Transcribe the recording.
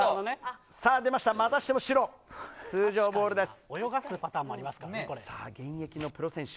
またしても白、通常ボールです。